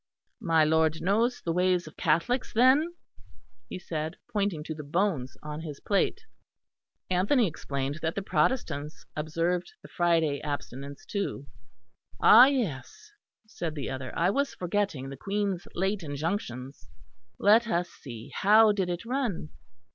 "My lord knows the ways of Catholics, then," he said, pointing to the bones on his plate. Anthony explained that the Protestants observed the Friday abstinence, too. "Ah yes," said the other, "I was forgetting the Queen's late injunctions. Let us see; how did it run?